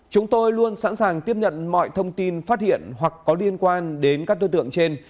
chúng tôi luôn sẵn sàng tiếp nhận mọi thông tin phát hiện hoặc có liên quan đến các đối tượng trên